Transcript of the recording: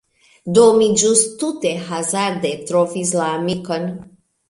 Do, mi ĵus tute hazarde trovis la amikon...